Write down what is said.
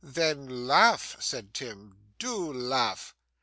'Then laugh,' said Tim. 'Do laugh.